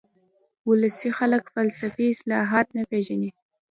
ولسي خلک فلسفي اصطلاحات نه پېژني